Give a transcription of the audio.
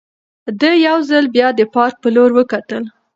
ده یو ځل بیا د پارک په لور وکتل.